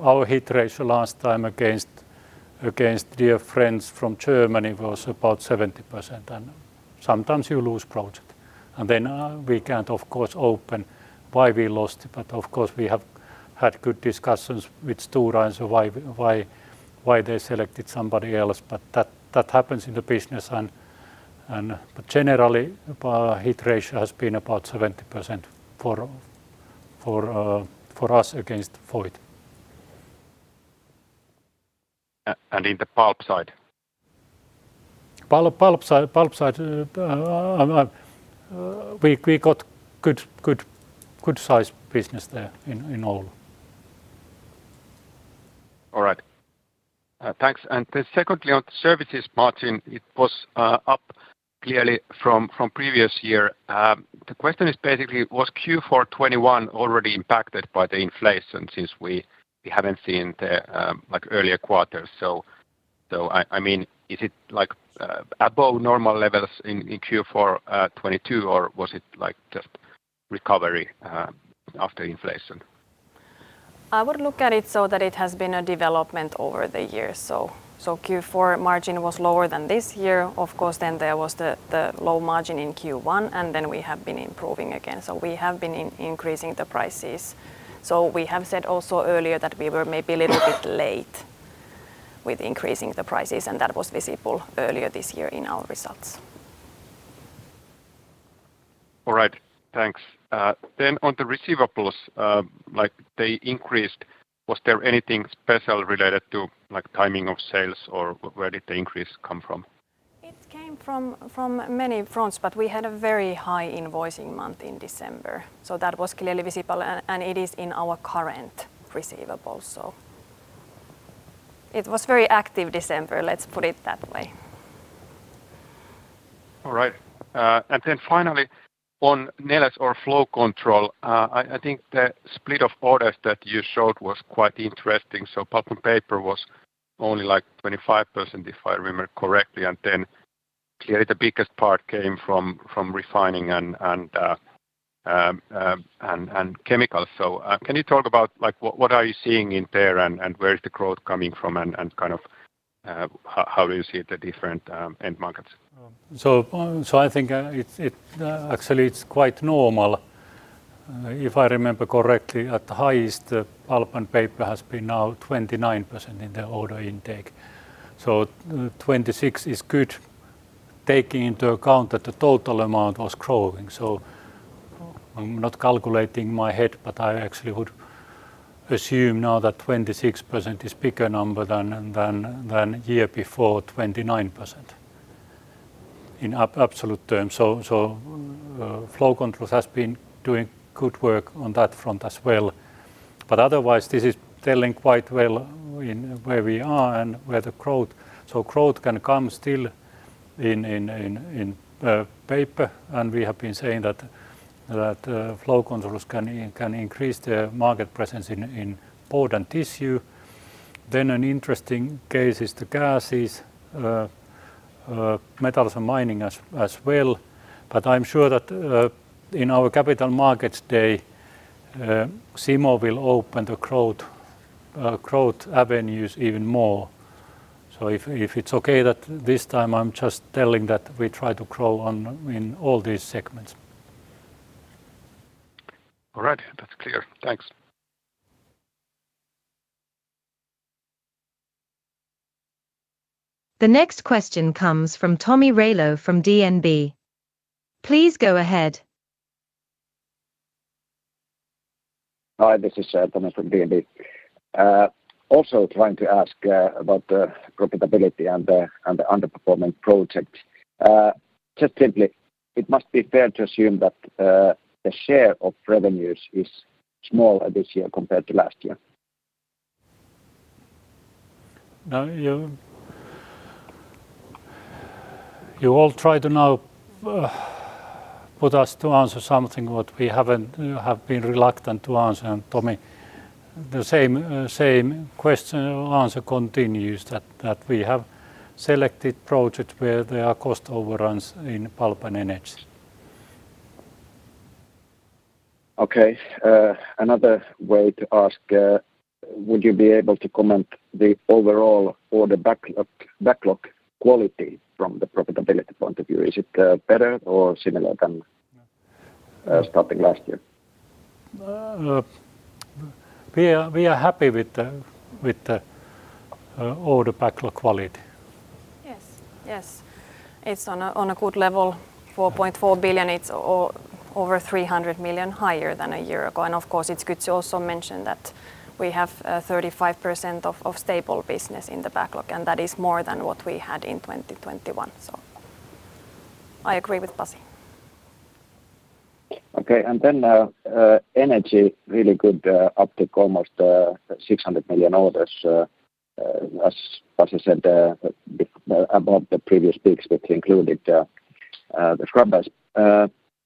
our hit ratio last time against dear friends from Germany was about 70%, and sometimes you lose project. We can't of course open why we lost it, but of course we have had good discussions with Stora Enso why we, why they selected somebody else. That happens in the business and. Generally, hit ratio has been about 70% for us against Voith. In the pulp side? Pulp, pulp side, we got good size business there in all. All right. Thanks. Secondly, on Services margin, it was up clearly from previous year. The question is basically was Q4 2021 already impacted by the inflation since we haven't seen the like earlier quarters? I mean, is it like above normal levels in Q4 2022 or was it like just recovery after inflation? I would look at it so that it has been a development over the years. Q4 margin was lower than this year. Of course, there was the low margin in Q1, we have been improving again. We have been increasing the prices. We have said also earlier that we were maybe a little bit late with increasing the prices, and that was visible earlier this year in our results. All right. Thanks. On the receivables, like they increased, was there anything special related in Paper, and we have been saying that Flow Control can increase their market presence in Board and Tissue. An interesting case is the gases. Metals and mining as well. I'm sure that, in our Capital Markets Day, Simo will open the growth avenues even more. If it's okay that this time I'm just telling that we try to grow in all these segments. All right. That's clear. Thanks. The next question comes from Tomi Railo from DNB. Please go ahead. Hi, this is Tomi from DNB. Also trying to ask about the profitability and the underperforming projects. Just simply, it must be fair to assume that the share of revenues is smaller this year compared to last year. Now you all try to now put us to answer something what we have been reluctant to answer. Tomi, the same question answer continues that we have selected projects where there are cost overruns in Pulp and Energy. Okay. Another way to ask, would you be able to comment the overall order backlog quality from the profitability point of view? Is it better or similar than starting last year? We are happy with the order backlog quality. Yes. Yes. It's on a good level, 4.4 billion. It's over 300 million higher than a year ago. Of course, it's good to also mention that we have 35% of stable business in the backlog, and that is more than what we had in 2021. I agree with Pasi. Okay. Then, energy really could uptick almost 600 million orders, as Pasi said, above the previous peaks, which included the scrubbers.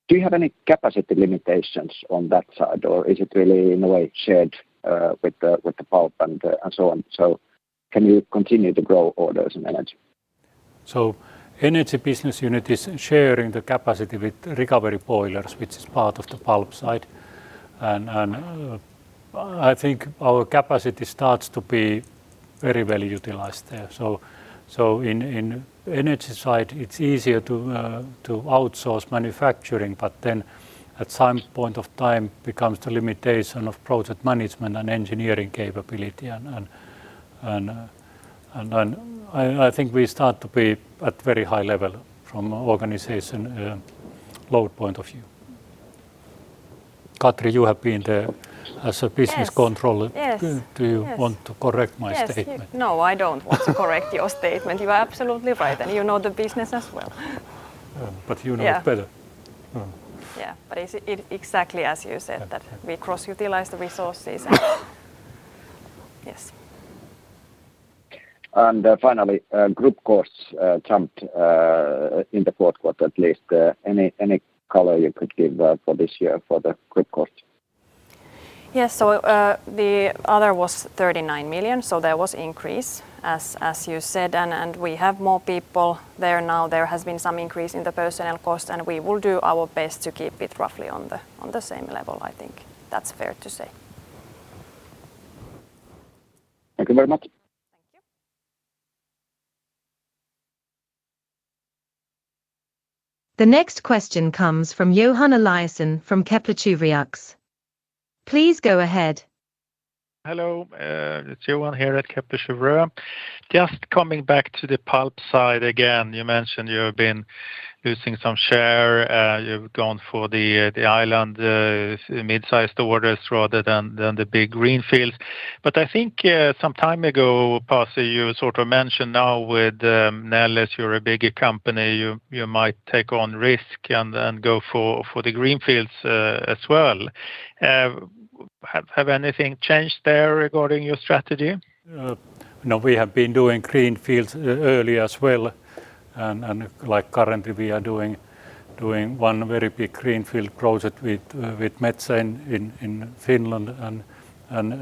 Do you have any capacity limitations on that side, or is it really in a way shared with the pulp and so on? Can you continue to grow orders in energy? Energy business unit is sharing the capacity with recovery boilers, which is part of the Pulp side. I think our capacity starts to be very well utilized there. In energy side, it's easier to outsource manufacturing, but then at some point of time becomes the limitation of project management and engineering capability. I think we start to be at very high level from organization load point of view. Katri, you have been there as a.... Yes ...controller. Yes. Yes. Do you want to correct my statement? Yes. No, I don't want to correct your statement. You are absolutely right, and you know the business as well. You know it better. Yeah. Mm. Yeah. Exactly as you said, that we cross-utilize the resources. Yes. Finally, group costs jumped in Q4 at least. Any color you could give for this year for the group costs? Yes. The other was 39 million, there was increase as you said, and we have more people there now. There has been some increase in the personnel cost, and we will do our best to keep it roughly on the same level. I think that's fair to say. Thank you very much. Thank you. The next question comes from Johan Eliason from Kepler Cheuvreux. Please go ahead. Hello, it's Johan here at Kepler Cheuvreux. Just coming back to the pulp side again. You mentioned you have been losing some share. You've gone for the island, mid-sized orders rather than the big greenfields. I think some time ago, Pasi, you sort of mentioned now with Neles you're a bigger company, you might take on risk and then go for the greenfields as well. Have anything changed there regarding your strategy? No. We have been doing greenfields early as well, and like currently we are doing one very big greenfield project with Metsä in Finland and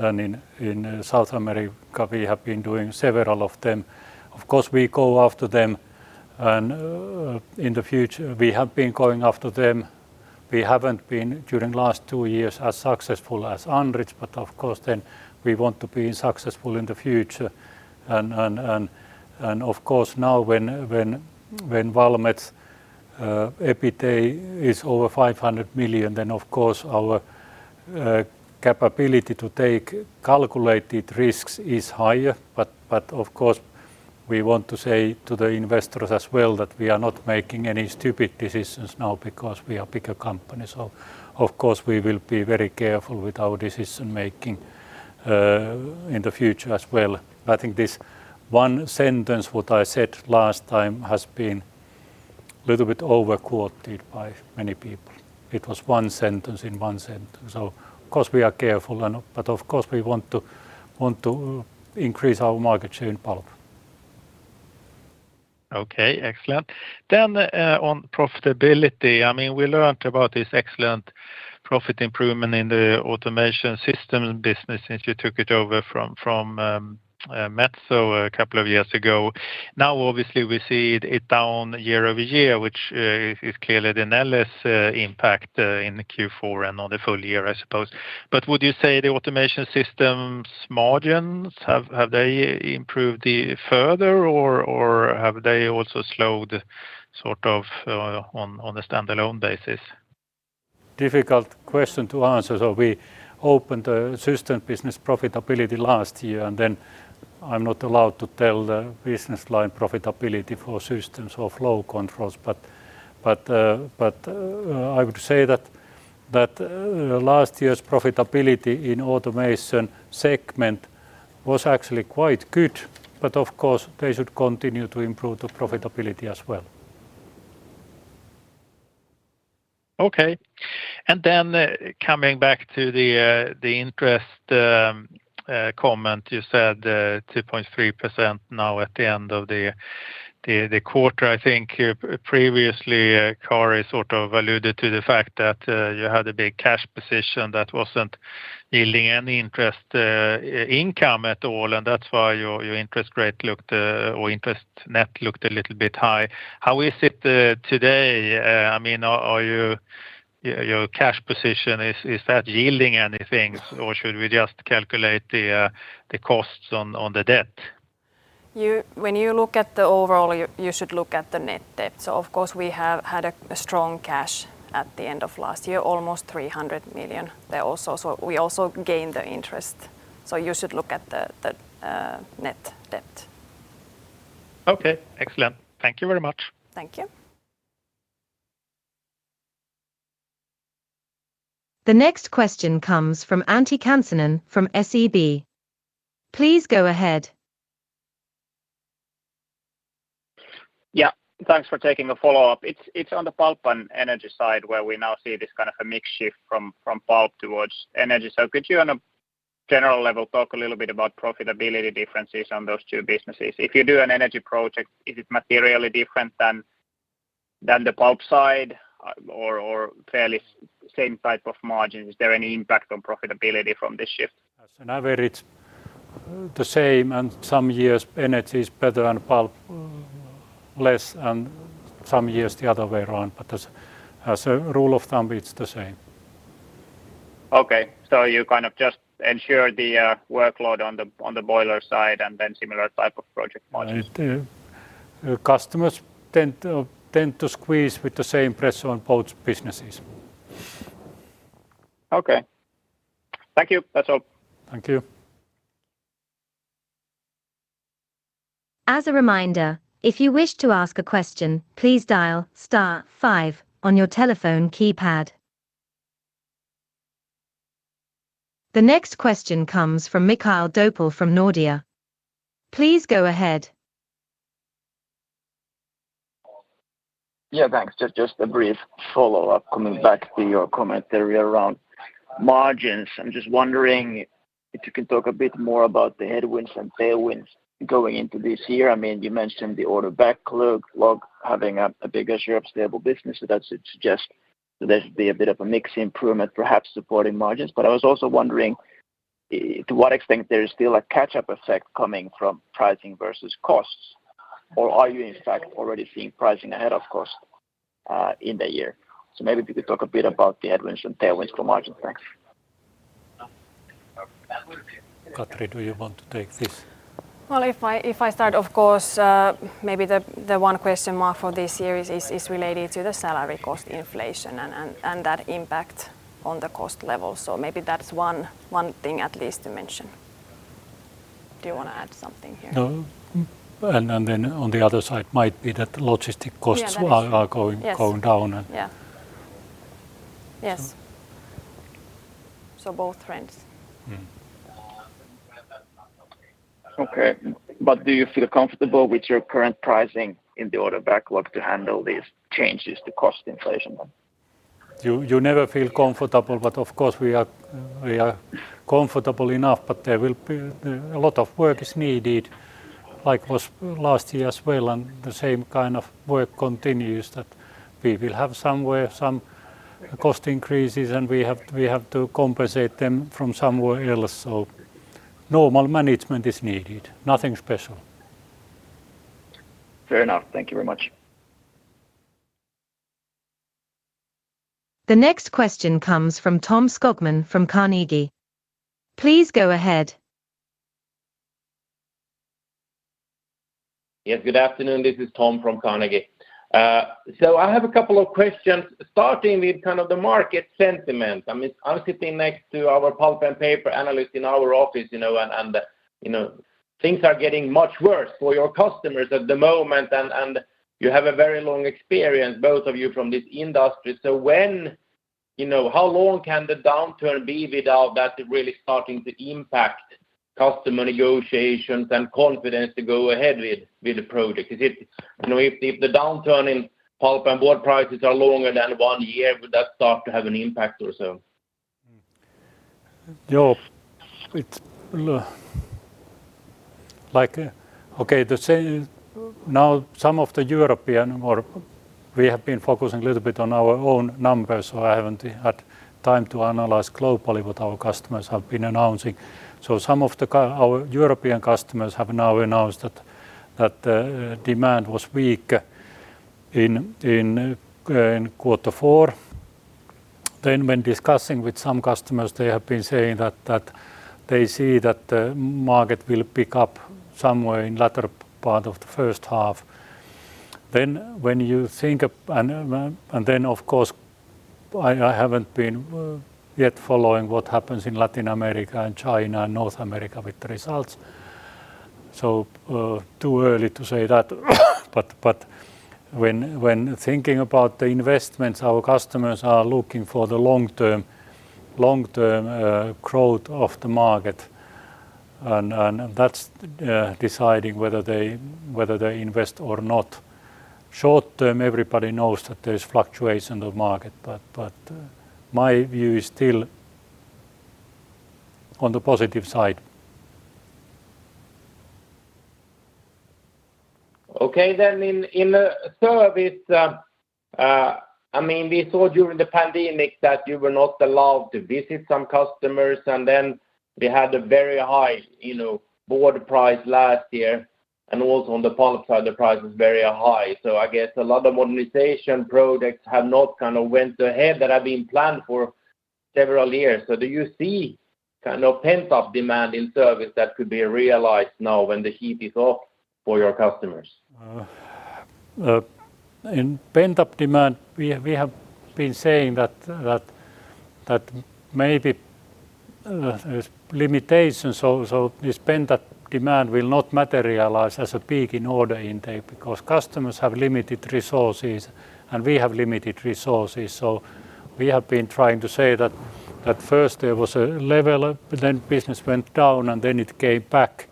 in South America we have been doing several of them. Of course, we go after them. In the future we have been going after them. We haven't been, during last two years, as successful as Andritz. Of course then we want to be successful in the future. Of course now when Valmet's EBITA is over 500 million, then of course our capability to take calculated risks is higher. Of course we want to say to the investors as well that we are not making any stupid decisions now because we are bigger company. Of course we will be very careful with our decision-making in the future as well. I think this one sentence what I said last time has been little bit overquoted by many people. It was one sentence in one sentence. Of course we are careful. Of course we want to increase our market share in pulp. Okay, excellent. on profitability, I mean, we learned about this excellent profit improvement in the Automation Systems business since you took it over from Metsä two years ago. Now, obviously we see it down year-over-year, which is clearly the Neles impact in Q4 and on the full year I suppose. Would you say the Automation Systems margins, have they improved further or have they also slowed sort of on a standalone basis? Difficult question to answer. We opened the system business profitability last year, I'm not allowed to tell the business line profitability for systems or Flow Control, but I would say that last year's profitability in Automation Segment was actually quite good, but of course they should continue to improve the profitability as well. Okay. Then coming back to the interest comment, you said 2.3% now at the end of the quarter. I think previously Katri sort of alluded to the fact that you had a big cash position that wasn't yielding any interest income at all, that's why your interest rate looked or interest net looked a little bit high. How is it today? I mean, are you your cash position, is that yielding anything or should we just calculate the costs on the debt? When you look at the overall, you should look at the Net Debt. Of course, we have had a strong cash at the end of last year, almost 300 million. We also gained the interest, you should look at the Net Debt. Okay, excellent. Thank you very much. Thank you. The next question comes from Antti Kansanen from SEB. Please go ahead. Thanks for taking a follow-up. It's on the Pulp and Energy side where we now see this kind of a mix shift from pulp towards energy. Could you on a general level, talk a little bit about profitability differences on those two businesses? If you do an energy project, is it materially different than the pulp side or fairly same type of margin? Is there any impact on profitability from this shift? As an average, the same, and some years energy is better than pulp less, and some years the other way around. As, as a rule of thumb, it's the same. Okay. You kind of just ensure the workload on the boiler side and then similar type of project modules. The customers tend to squeeze with the same pressure on both businesses. Okay. Thank you. That's all. Thank you. As a reminder, if you wish to ask a question, please dial star five on your telephone keypad. The next question comes from Mikael Doepel from Nordea. Please go ahead. Yeah, thanks. Just a brief follow-up coming back to your commentary around margins. I'm just wondering if you can talk a bit more about the headwinds and tailwinds going into this year. I mean, you mentioned the order backlog having a bigger share of stable business, so that's suggest there's be a bit of a mix improvement perhaps supporting margins. I was also wondering to what extent there is still a catch-up effect coming from pricing versus costs, or are you in fact already seeing pricing ahead of cost in the year? Maybe if you could talk a bit about the headwinds and tailwinds for margin. Thanks. Katri, do you want to take this? Well, if I start, of course, maybe the one question more for this year is related to the salary cost inflation and that impact on the cost level. Maybe that's one thing at least to mention. Do you wanna add something here? No. Then on the other side might be that logistic costs- Yeah, manage- are going. Yes... going down. Yeah. Yes. So- Both trends. Mm-hmm. Do you feel comfortable with your current pricing in the order backlog to handle these changes to cost inflation then? You never feel comfortable. Of course we are comfortable enough. There will be a lot of work is needed, like was last year as well. The same kind of work continues that we will have somewhere some cost increases and we have to compensate them from somewhere else. Normal management is needed. Nothing special. Fair enough. Thank you very much. The next question comes from Tom Skogman from Carnegie. Please go ahead. Yes, good afternoon. This is Tom from Carnegie. I have a couple of questions starting with kind of the market sentiment. I mean, I'm sitting next to our pulp and paper analyst in our office, you know, and, you know, things are getting much worse for your customers at the moment and you have a very long experience, both of you from this industry. You know, how long can the downturn be without that really starting to impact customer negotiations and confidence to go ahead with the project? Is it, you know, if the downturn in pulp and wood prices are longer than one year, would that start to have an impact or so? Yeah. It's like, okay, the same. Some of the European or we have been focusing a little bit on our own numbers so I haven't had time to analyze globally what our customers have been announcing. Some of our European customers have now announced that the demand was weak in Q4. When discussing with some customers, they have been saying that they see that the market will pick up somewhere in latter part of the first half. When you think of... Then, of course, I haven't been yet following what happens in Latin America and China and North America with the results. Too early to say that. When thinking about the investments, our customers are looking for the long-term growth of the market and that's deciding whether they invest or not. Short-term, everybody knows that there's fluctuation of market. My view is still on the positive side. Okay. In, in the service, I mean, we saw during the pandemic that you were not allowed to visit some customers and then we had a very high, you know, board price last year, and also on the pulp side the price was very high. I guess a lot of modernization projects have not kind of went ahead that have been planned for several years. Do you see kind of pent-up demand in service that could be realized now when the heat is off for your customers? In pent-up demand we have been saying that maybe limitations also this pent-up demand will not materialize as a peak in order intake because customers have limited resources, and we have limited resources. We have been trying to say that, at first there was a level, but then business went down and then it came back.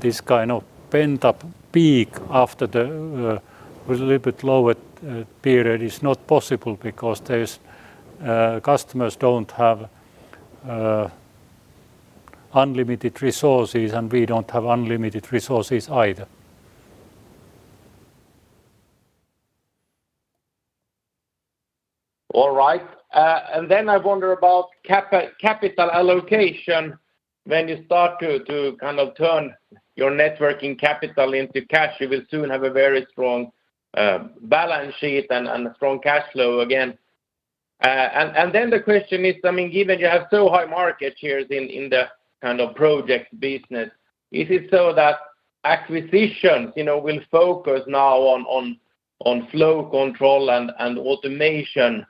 This kind of pent-up peak after was a little bit lower period is not possible because there's customers don't have unlimited resources and we don't have unlimited resources either. All right. I wonder about capital allocation. When you start to kind of turn your Net Working Capital into cash, you will soon have a very strong balance sheet and a strong cash flow again. The question is, I mean, given you have so high market shares in the kind of project business, is it so that acquisitions, you know, will focus now on Flow Control and Automation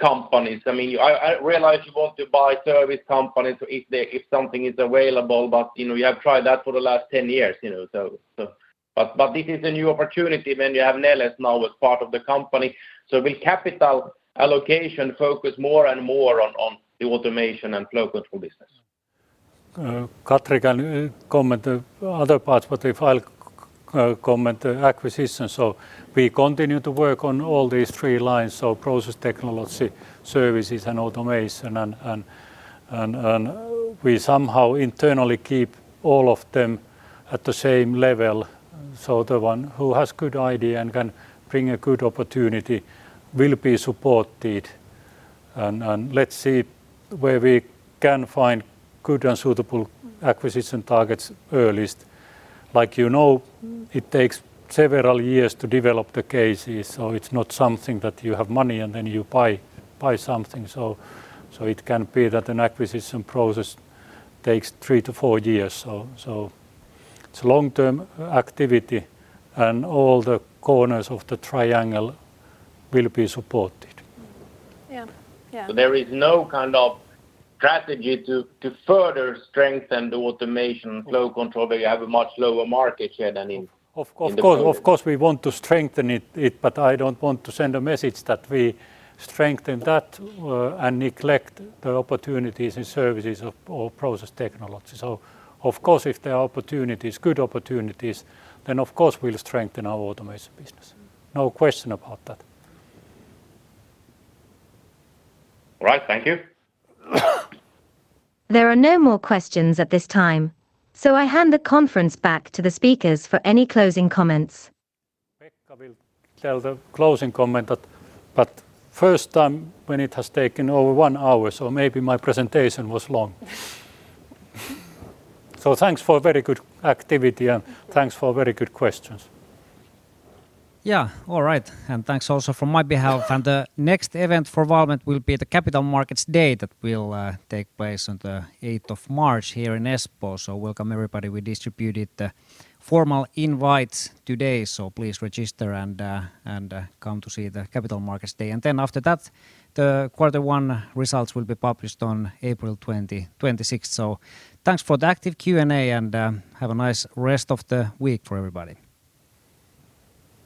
companies? I mean, I realize you want to buy service companies if there, if something is available, but, you know, you have tried that for the last 10 years, you know, so. This is a new opportunity when you have Neles now as part of the company. Will capital allocation focus more and more on the Automation and Flow Control business? Katri can comment the other parts, but if I'll comment the acquisitions. We continue to work on all these three lines, Process Technologies, Services and Automation, and we somehow internally keep all of them at the same level. The one who has good idea and can bring a good opportunity will be supported and let's see where we can find good and suitable acquisition targets earliest. Like, you know, it takes several years to develop the cases, so it's not something that you have money and then you buy something. It can be that an acquisition process takes three to four years. It's long-term activity and all the corners of the triangle will be supported. Yeah. Yeah. There is no kind of strategy to further strengthen the automation flow control where you have a much lower market share than in... Of course we want to strengthen it, I don't want to send a message that we strengthen that and neglect the opportunities in Services or Process Technologies. Of course, if there are opportunities, good opportunities, then of course we'll strengthen our Automation business. No question about that. All right. Thank you. There are no more questions at this time, I hand the conference back to the speakers for any closing comments. Pekka will tell the closing comment but first time when it has taken over one hour, so maybe my presentation was long. Thanks for very good activity and thanks for very good questions. Yeah. All right. Thanks also from my behalf. The next event for Valmet will be the Capital Markets Day that will take place on March 8 here in Espoo. Welcome everybody. We distributed the formal invites today, please register and come to see the Capital Markets Day. After that, Q1 results will be published on April 26. Thanks for the active Q&A and have a nice rest of the week for everybody.